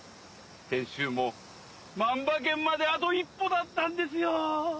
先週も万馬券まであと一歩だったんですよ！